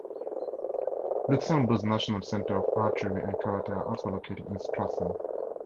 Luxembourg's national center of archery and karate are also located in Strassen.